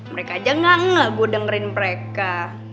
mereka aja gak ngeh gue dengerin mereka